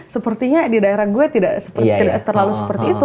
sepertinya di daerah gue tidak terlalu seperti itu